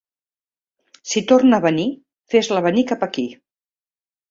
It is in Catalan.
Si torna a venir, fes-la venir cap aquí.